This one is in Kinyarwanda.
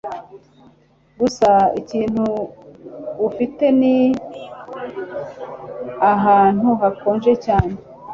Gusa ikintu ufite ni ahantu hakonje cyane